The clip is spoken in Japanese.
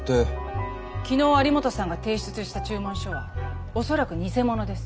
昨日有本さんが提出した注文書は恐らく偽物です。